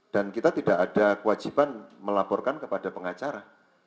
dan kita tidak ada kewajiban melaporkan kepada pengacara